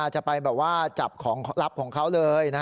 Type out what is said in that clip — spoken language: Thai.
จะไปแบบว่าจับของลับของเขาเลย